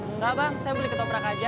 engga bang saya beli ke toprak aja